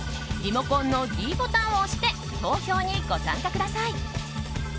リモコンのｄボタンを押して投票にご参加ください。